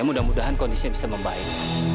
mudah mudahan kondisinya bisa membaik